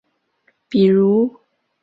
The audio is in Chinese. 比如